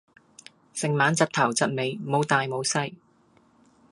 成晚窒頭窒尾，冇大冇細